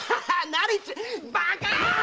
バカ！